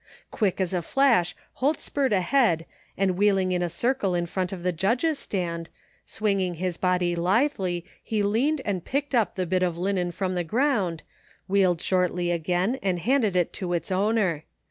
Quick as a flash Holt spurred ahead and wheeling in a circle in front of the judges' stand, swing ing his body lithdy he leaned and picked up the bit of linen from the groimd, wheeled shortly again and handed it to its owner.